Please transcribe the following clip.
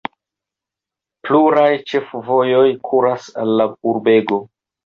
Pluraj ĉefvojoj kuras al la urbego.